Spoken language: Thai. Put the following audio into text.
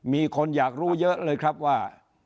มีคนอยากรู้เยอะเลยครับว่า